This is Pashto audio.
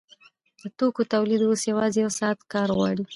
د توکو تولید اوس یوازې یو ساعت کار غواړي